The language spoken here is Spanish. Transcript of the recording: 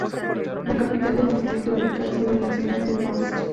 La capital del distrito recae sobre la ciudad de Forst.